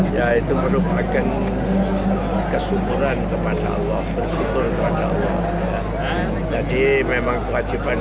ya itu merupakan kesyukuran kepada allah bersyukur kepada allah jadi memang kewajiban